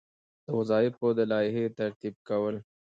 د وظایفو د لایحې ترتیب کول.